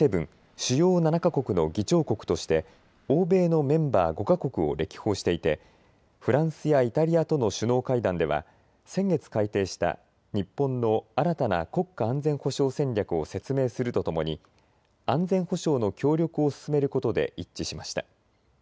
主要７か国の議長国として欧米のメンバー５か国を歴訪していてフランスやイタリアとの首脳会談では先月、改定した日本の新たな国家安全保障戦略を説明するとともに安全保障の協力を進めることで一致しました。